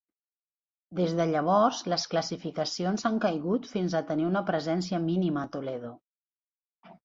Des de llavors, les classificacions han caigut fins a tenir una presència mínima a Toledo.